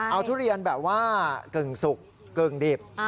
เอาทุเรียนแบบว่ากึ่งสุกกึ่งดิบ